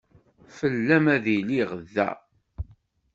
Fell-am ay lliɣ da.